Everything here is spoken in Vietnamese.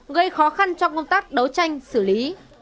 gây khó khăn trong công tác đấu tranh xử lý